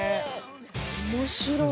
面白い。